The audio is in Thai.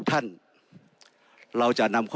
ในฐานะรัฐสภาวนี้ตั้งแต่ปี๒๖๒